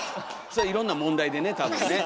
それいろんな問題でね多分ね。